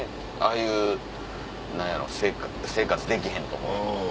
ああいう何やろ生活できへんと思う。